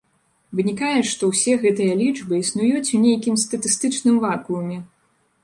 Вынікае, што ўсе гэтыя лічбы існуюць у нейкім статыстычным вакууме.